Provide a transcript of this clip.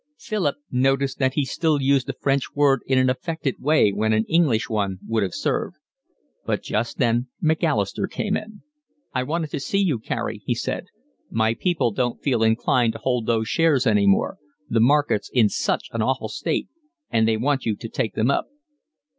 Philip noticed that he still used a French word in an affected way when an English one would have served. But just then Macalister came in. "I wanted to see you, Carey," he said. "My people don't feel inclined to hold those shares any more, the market's in such an awful state, and they want you to take them up."